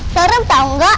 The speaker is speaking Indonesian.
serem tau gak